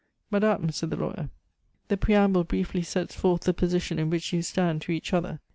"Madame," said the lawyer, "the preamble briefly sets forth the position in which you stand to each other.